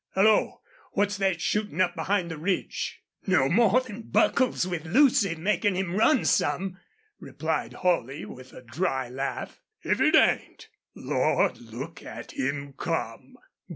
Hullo! what's thet shootin' up behind the ridge?" "No more 'n Buckles with Lucy makin' him run some," replied Holley, with a dry laugh. "If it ain't! ... Lord! look at him come!"